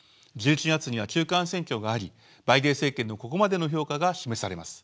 １１月には中間選挙がありバイデン政権のここまでの評価が示されます。